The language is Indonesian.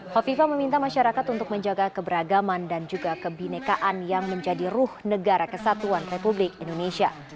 hovifah meminta masyarakat untuk menjaga keberagaman dan juga kebinekaan yang menjadi ruh negara kesatuan republik indonesia